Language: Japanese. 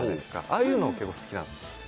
ああいうの結構好きなんです。